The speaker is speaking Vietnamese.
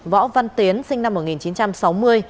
võ văn tiến sinh năm một nghìn chín trăm sáu mươi